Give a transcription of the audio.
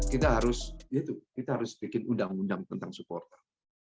kita harus bikin undang undang tentang supporter